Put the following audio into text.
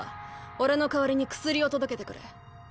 俺の代わりに薬を届けてくれ。